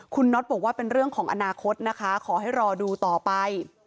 คุณน็อตบอกว่าเป็นเรื่องของอนาคตนะคะขอให้รอดูต่อไป